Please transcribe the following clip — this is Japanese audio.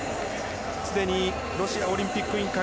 すでにロシアオリンピック委員会